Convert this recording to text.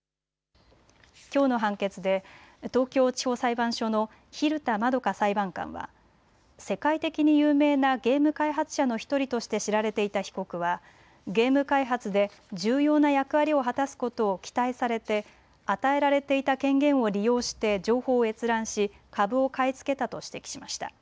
きょうの判決で東京地方裁判所の蛭田円香裁判官は世界的に有名なゲーム開発者の１人として知られていた被告はゲーム開発で重要な役割を果たすことを期待されて与えられていた権限を利用して情報を閲覧し株を買い付けたと指摘しました。